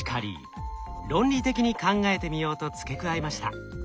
「論理的に考えてみよう」と付け加えました。